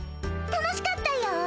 楽しかったよ。